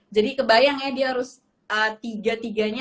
kebayang ya dia harus tiga tiganya